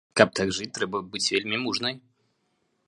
Каб так жыць, трэба быць вельмі мужнай.